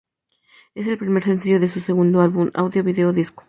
Es el primer sencillo de su segundo álbum "Audio, Video, Disco".